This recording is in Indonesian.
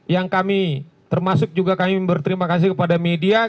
yang kami termasuk juga kami berterima kasih kepada media